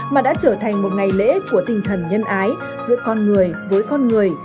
mà đã trở thành một ngày lễ của tinh thần nhân ái giữa con người với con người